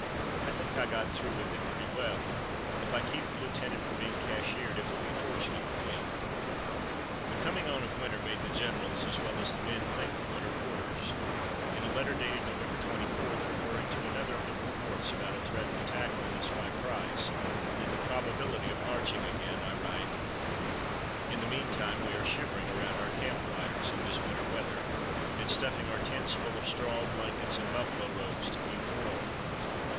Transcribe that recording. I think I got through with it pretty well. If I keep the lieutenant from being cashiered it will be fortunate for him." The coming on of winter made the generals, as well as the men, think of winter quarters. In a letter dated November 24, referring to another of the reports about a threatened attack on us by Price and the probability of marching again, I write: "In the meantime we are shivering around our camp fires in this winter weather, and stuffing our tents full of straw, blankets, and buffalo robes to keep warm.